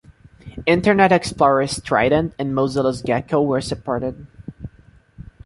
Internet Explorer's Trident and Mozilla's Gecko were supported.